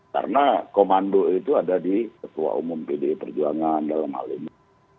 karena komando itu ada di ketua umum pdi perjuangan dalam hal ini